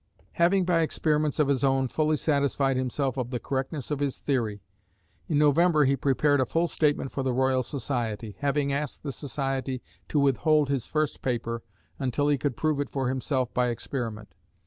Having, by experiments of his own, fully satisfied himself of the correctness of his theory, in November he prepared a full statement for the Royal Society, having asked the society to withhold his first paper until he could prove it for himself by experiment.